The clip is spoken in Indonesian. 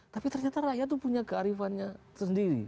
tapi ternyata rakyat itu punya kearifannya sendiri